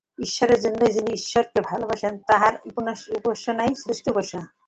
ঈশ্বরের জন্যই যিনি ঈশ্বরকে ভালবাসেন, তাঁহার উপাসনাই শ্রেষ্ঠ উপাসনা।